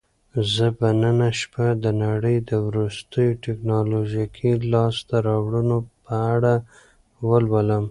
زه به نن شپه د نړۍ د وروستیو ټیکنالوژیکي لاسته راوړنو په اړه ولولم.